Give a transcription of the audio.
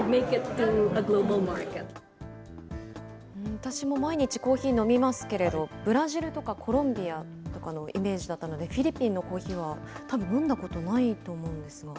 私も毎日コーヒー飲みますけれども、ブラジルとかコロンビアのイメージだったので、フィリピンのコーヒーはたぶん飲んだことないと思うんですが。